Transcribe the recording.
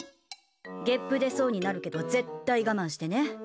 ゲップ出そうになるけど絶対我慢してね。